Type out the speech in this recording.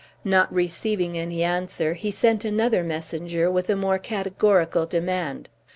Not receiving any answer, he sent another messenger with a more categorical demand.